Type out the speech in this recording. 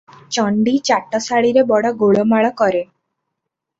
ଚଣ୍ଡୀ ଚାଟଶାଳୀରେ ବଡ଼ ଗୋଳମାଳ କରେ ।